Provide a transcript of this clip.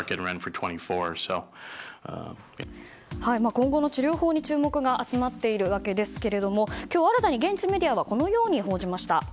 今後の治療法に注目が集まっているわけですが今日新たに現地メディアはこのように報じました。